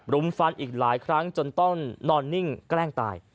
รุมฟันอีกหลายครั้งจนต้องนอนนิ่งแกล้งตาย